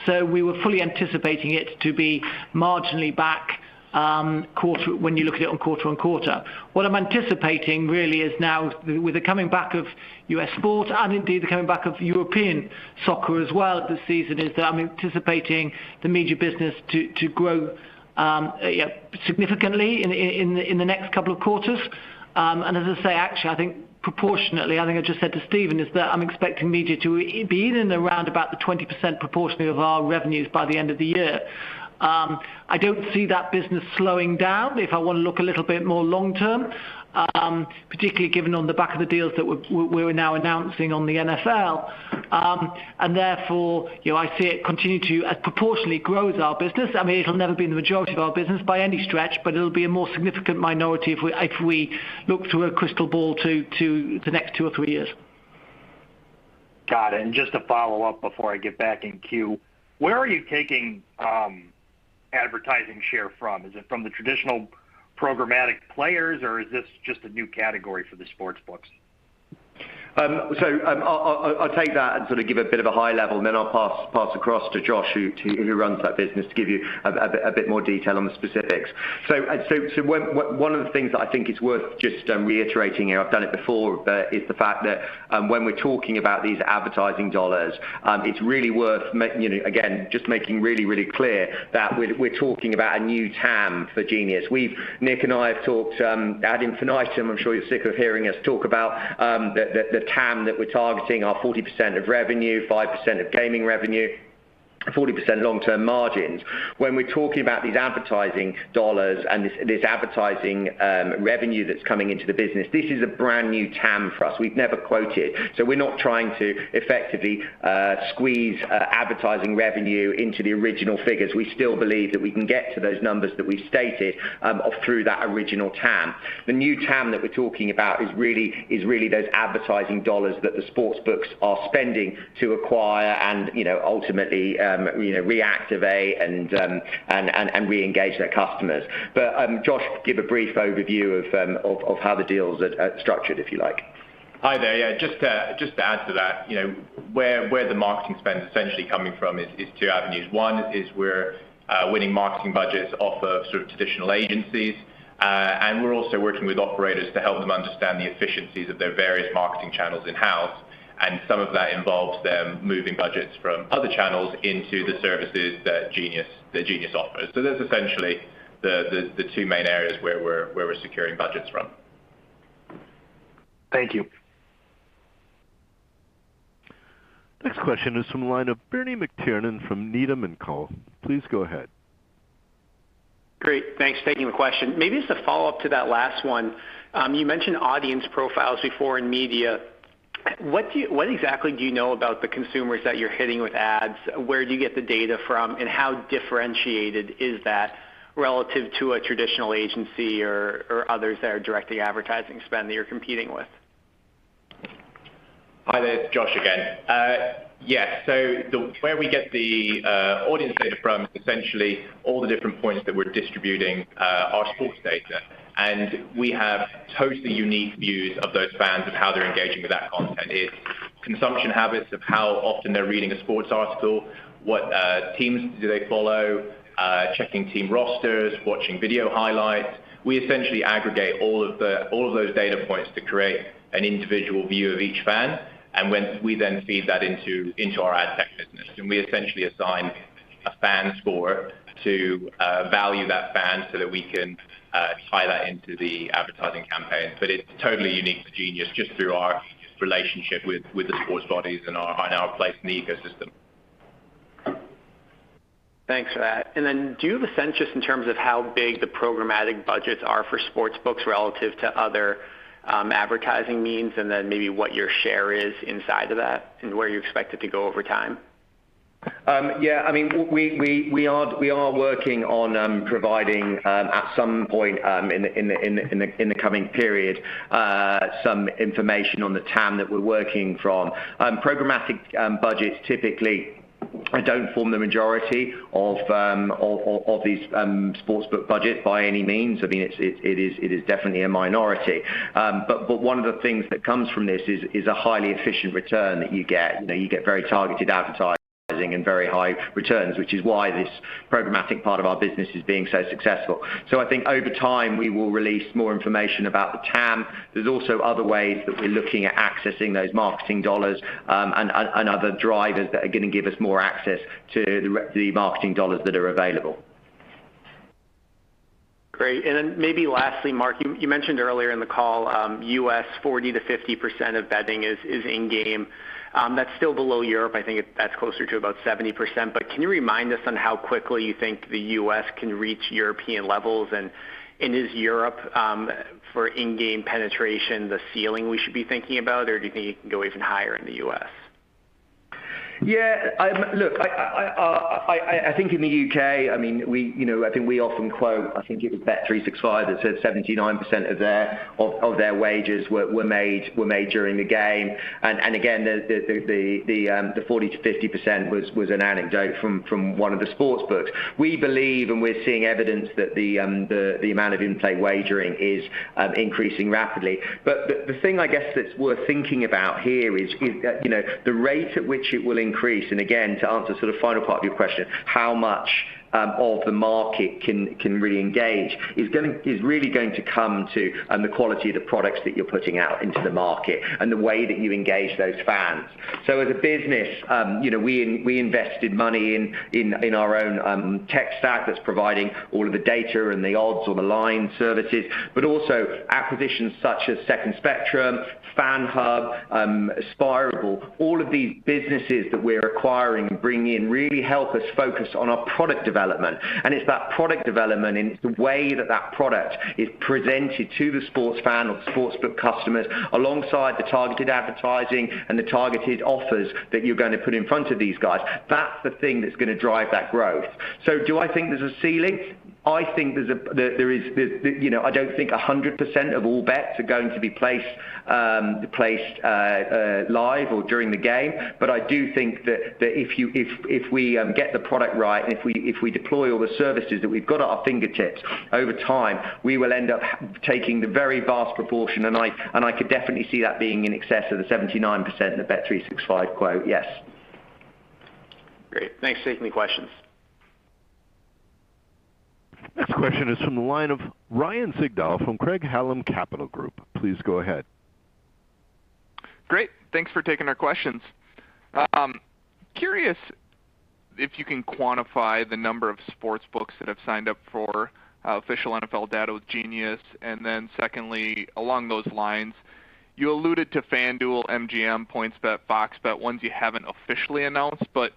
We were fully anticipating it to be marginally back when you look at it on quarter-over-quarter. What I'm anticipating really is now with the coming back of US sport and indeed the coming back of European soccer as well this season, is that I'm anticipating the media business to grow significantly in the next couple of quarters. As I say, actually, I think proportionately, I think I just said to Stephen, is that I'm expecting media to be in and around about the 20% proportionally of our revenues by the end of the year. I don't see that business slowing down if I want to look a little bit more long-term, particularly given on the back of the deals that we're now announcing on the NFL. Therefore, I see it continue to, as proportionately grows our business. It'll never be the majority of our business by any stretch, but it'll be a more significant minority if we look through a crystal ball to the next two or three years. Got it. Just to follow up before I get back in queue, where are you taking advertising share from? Is it from the traditional programmatic players, or is this just a new category for the sportsbooks? I'll take that and sort of give a bit of a high level, and then I'll pass across to Josh, who runs that business to give you a bit more detail on the specifics. One of the things that I think is worth just reiterating here, I've done it before, but is the fact that when we're talking about these advertising dollars, it's really worth making really clear that we're talking about a new TAM for Genius. Nick and I have talked ad infinitum. I'm sure you're sick of hearing us talk about the TAM that we're targeting, our 40% of revenue, 5% of gaming revenue, 40% long-term margins. When we're talking about these advertising dollars and this advertising revenue that's coming into the business, this is a brand new TAM for us. We've never quoted. We're not trying to effectively squeeze advertising revenue into the original figures. We still believe that we can get to those numbers that we stated through that original TAM. The new TAM that we're talking about is really those advertising dollars that the sportsbooks are spending to acquire and ultimately, reactivate and reengage their customers. Josh, give a brief overview of how the deals are structured, if you like Hi there. Yeah, just to add to that, where the marketing spend is essentially coming from is two avenues. One is we're winning marketing budgets off of traditional agencies, we're also working with operators to help them understand the efficiencies of their various marketing channels in-house. Some of that involves them moving budgets from other channels into the services that Genius Sports offers. Those are essentially the two main areas where we're securing budgets from. Thank you. Next question is from the line of Bernie McTernan from Needham & Company. Please go ahead. Great. Thanks for taking the question. Maybe as a follow-up to that last one. You mentioned audience profiles before in media. What exactly do you know about the consumers that you're hitting with ads? Where do you get the data from? How differentiated is that relative to a traditional agency or others that are directly advertising spend that you're competing with? Hi there. Josh again. Where we get the audience data from is essentially all the different points that we're distributing our sports data. We have totally unique views of those fans, of how they're engaging with that content. It's consumption habits of how often they're reading a sports article, what teams do they follow, checking team rosters, watching video highlights. We essentially aggregate all of those data points to create an individual view of each fan. We then feed that into our ad tech business, and we essentially assign a fan score to value that fan so that we can tie that into the advertising campaign. It's totally unique to Genius just through our relationship with the sports bodies and our place in the ecosystem. Thanks for that. Do you have a sense just in terms of how big the programmatic budgets are for sportsbooks relative to other advertising means, and then maybe what your share is inside of that and where you expect it to go over time? Yeah, we are working on providing, at some point in the coming period, some information on the TAM that we're working from. Programmatic budgets typically don't form the majority of these sports book budgets by any means. It is definitely a minority. One of the things that comes from this is a highly efficient return that you get. You get very targeted advertising and very high returns, which is why this programmatic part of our business is being so successful. I think over time, we will release more information about the TAM. There's also other ways that we're looking at accessing those marketing dollars and other drivers that are going to give us more access to the marketing dollars that are available. Great. Maybe lastly, Mark, you mentioned earlier in the call, U.S., 40%-50% of betting is in-game. That's still below Europe. I think that's closer to about 70%. Can you remind us on how quickly you think the U.S. can reach European levels, and is Europe, for in-game penetration, the ceiling we should be thinking about, or do you think it can go even higher in the U.S.? Yeah, look, I think in the U.K., we often quote, I think it was Bet365 that said 79% of their wagers were made during the game. Again, the 40%-50% was an anecdote from one of the sports books. We believe, and we're seeing evidence that the amount of in-play wagering is increasing rapidly. The thing I guess that's worth thinking about here is the rate at which it will increase. Again, to answer sort of final part of your question, how much of the market can reengage is really going to come to the quality of the products that you're putting out into the market and the way that you engage those fans. As a business, we invested money in our own tech stack that's providing all of the data and the odds on the line services, but also acquisitions such as Second Spectrum, FanHub, Aspire Global. All of these businesses that we're acquiring and bringing in really help us focus on our product development. It's that product development and it's the way that product is presented to the sports fan or the sportsbook customers alongside the targeted advertising and the targeted offers that you're going to put in front of these guys. That's the thing that's going to drive that growth. Do I think there's a ceiling? I don't think 100% of all bets are going to be placed live or during the game. I do think that if we get the product right, and if we deploy all the services that we've got at our fingertips, over time, we will end up taking the very vast proportion, and I could definitely see that being in excess of the 79% in the Bet365 quote, yes. Great. Thanks. Thank you. Any questions? Next question is from the line of Ryan Sigdahl from Craig-Hallum Capital Group. Please go ahead. Great. Thanks for taking our questions. Curious if you can quantify the number of sports books that have signed up for official NFL data with Genius. Secondly, along those lines, you alluded to FanDuel, MGM, PointsBet, FOX Bet, ones you haven't officially announced, but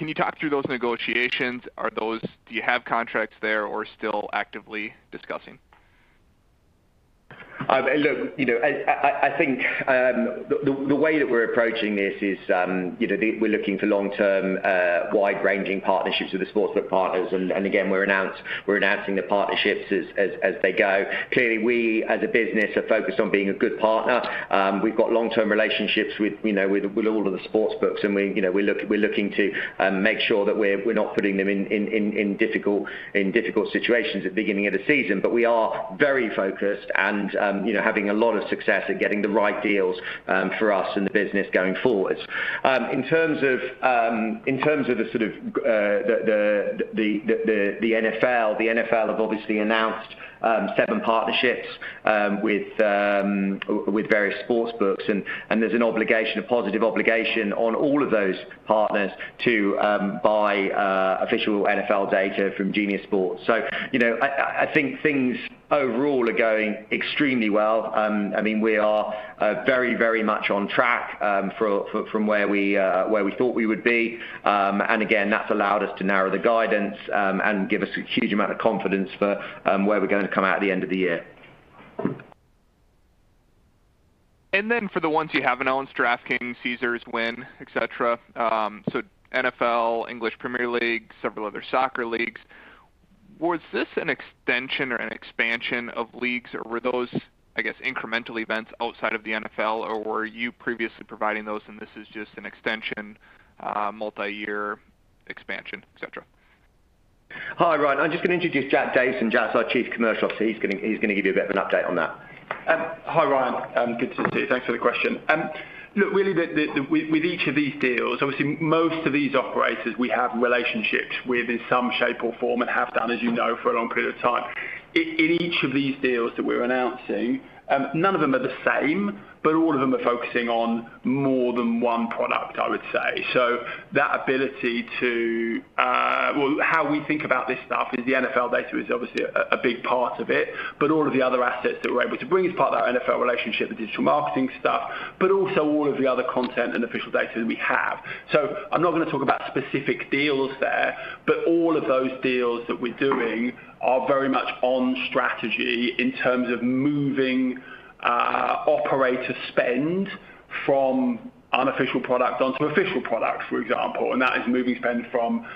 can you talk through those negotiations? Do you have contracts there or still actively discussing? Look, I think the way that we're approaching this is we're looking for long-term, wide-ranging partnerships with the sportsbook partners. Again, we're announcing the partnerships as they go. Clearly, we as a business are focused on being a good partner. We've got long-term relationships with all of the sportsbooks. We're looking to make sure that we're not putting them in difficult situations at the beginning of the season. We are very focused and having a lot of success at getting the right deals for us and the business going forward. In terms of the NFL, the NFL have obviously announced seven partnerships with various sportsbooks. There's an obligation, a positive obligation, on all of those partners to buy official NFL data from Genius Sports. I think things overall are going extremely well. We are very much on track from where we thought we would be. Again, that's allowed us to narrow the guidance and give us a huge amount of confidence for where we're going to come out at the end of the year. For the ones you have announced, DraftKings, Caesars, Wynn, et cetera, so NFL, English Premier League, several other soccer leagues, was this an extension or an expansion of leagues, or were those, I guess, incremental events outside of the NFL, or were you previously providing those and this is just an extension, multi-year expansion, et cetera? Hi, Ryan Sigdahl. I'm just going to introduce Jack Davison. Jack's our Chief Commercial Officer. He's going to give you a bit of an update on that. Hi, Ryan. Good to see you. Thanks for the question. Really with each of these deals, obviously most of these operators we have relationships with in some shape or form and have done, as you know, for a long period of time. In each of these deals that we're announcing, none of them are the same, but all of them are focusing on more than one product, I would say. How we think about this stuff is the NFL data is obviously a big part of it, but all of the other assets that we're able to bring as part of that NFL relationship, the digital marketing stuff, but also all of the other content and official data that we have. I'm not going to talk about specific deals there, but all of those deals that we're doing are very much on strategy in terms of moving operator spend from unofficial product onto official product, for example. That is moving spend from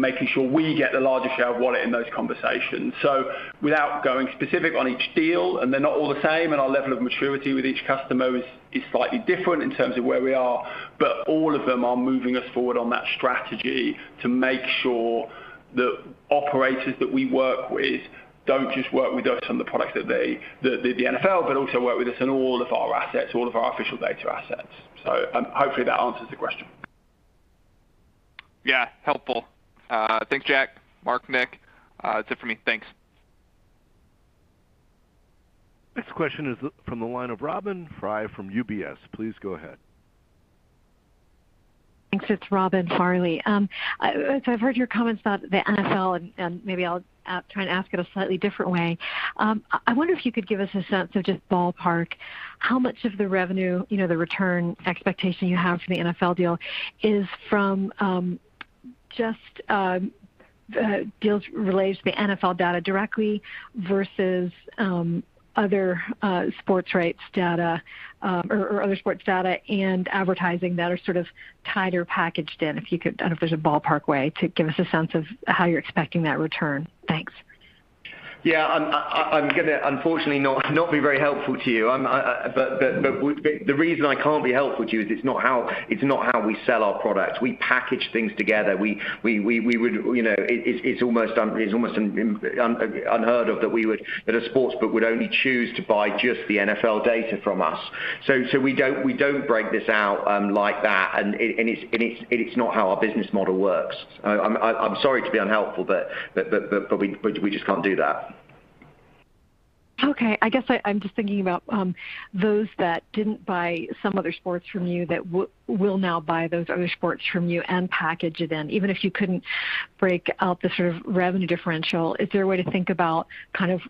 making sure we get the largest share of wallet in those conversations. Without going specific on each deal, and they're not all the same, and our level of maturity with each customer is slightly different in terms of where we are, but all of them are moving us forward on that strategy to make sure the operators that we work with don't just work with us on the products, the NFL, but also work with us on all of our assets, all of our official data assets. Hopefully that answers the question. Yeah. Helpful. Thanks, Jack, Mark, Nick. That's it for me. Thanks. Next question is from the line of Robin Farley from UBS. Please go ahead. Thanks. It's Robin Farley. I've heard your comments about the NFL, and maybe I'll try and ask it a slightly different way. I wonder if you could give us a sense of just ballpark how much of the revenue, the return expectation you have from the NFL deal is from just deals related to the NFL data directly versus other sports rights data or other sports data and advertising that are sort of tied or packaged in, if there's a ballpark way to give us a sense of how you're expecting that return. Thanks. Yeah. I'm going to unfortunately not be very helpful to you. The reason I can't be helpful to you is it's not how we sell our products. We package things together. It's almost unheard of that a sportsbook would only choose to buy just the NFL data from us. We don't break this out like that, and it's not how our business model works. I'm sorry to be unhelpful, we just can't do that. I guess I'm just thinking about those that didn't buy some other sports from you that will now buy those other sports from you and package it in. Even if you couldn't break out the sort of revenue differential, is there a way to think about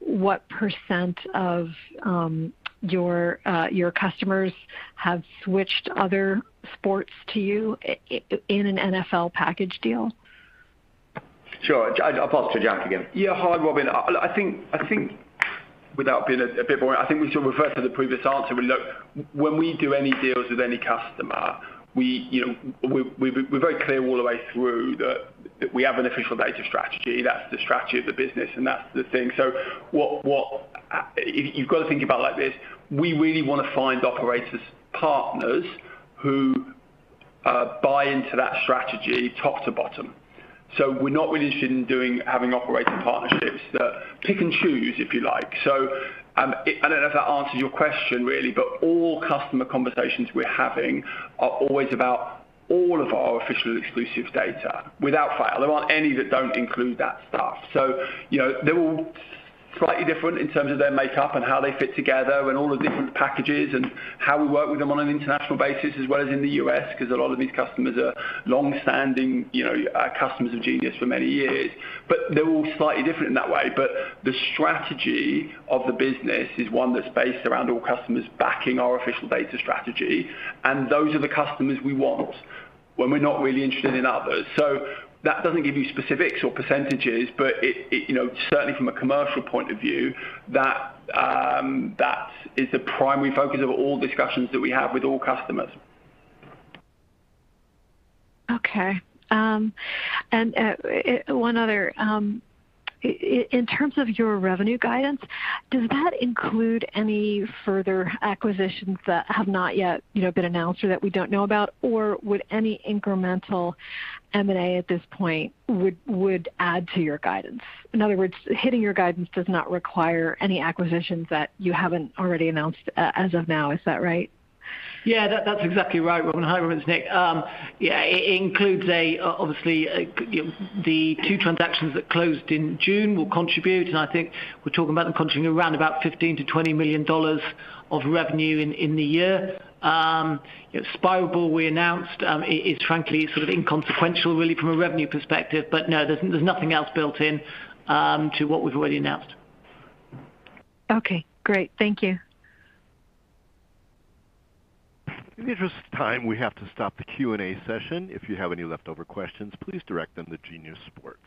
what percent of your customers have switched other sports to you in an NFL package deal? Sure. I'll pass it to Jack again. Hi, Robin. I think we should refer to the previous answer. Look, when we do any deals with any customer, we're very clear all the way through that we have an official data strategy. That's the strategy of the business. That's the thing. You've got to think about it like this. We really want to find operators, partners who buy into that strategy top to bottom. We're not really interested in having operating partnerships that pick and choose, if you like. I don't know if that answers your question really. All customer conversations we're having are always about all of our official exclusive data without fail. There aren't any that don't include that stuff. They're all slightly different in terms of their makeup and how they fit together and all the different packages and how we work with them on an international basis as well as in the U.S., because a lot of these customers are longstanding customers of Genius for many years. They're all slightly different in that way. The strategy of the business is one that's based around all customers backing our official data strategy, and those are the customers we want when we're not really interested in others. That doesn't give you specifics or percentages, but certainly from a commercial point of view, that is the primary focus of all discussions that we have with all customers. Okay. One other. In terms of your revenue guidance, does that include any further acquisitions that have not yet been announced or that we don't know about? Would any incremental M&A at this point would add to your guidance? In other words, hitting your guidance does not require any acquisitions that you haven't already announced as of now. Is that right? Yeah. That's exactly right, Robin. Hi, Robin. It's Nick. Yeah. It includes obviously the two transactions that closed in June will contribute, and I think we're talking about them contributing around about $15 million-$20 million of revenue in the year. Spirable we announced is frankly sort of inconsequential really from a revenue perspective. No, there's nothing else built in to what we've already announced. Okay, great. Thank you. In the interest of time, we have to stop the Q&A session. If you have any leftover questions, please direct them to Genius Sports.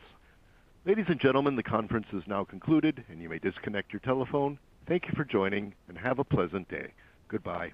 Ladies and gentlemen, the conference is now concluded and you may disconnect your telephone. Thank you for joining, and have a pleasant day. Goodbye.